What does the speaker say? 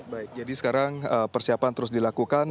baik jadi sekarang persiapan terus dilakukan